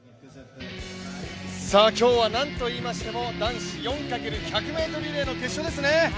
今日はなんといいましても男子４ｘ１００ｍの決勝ですね。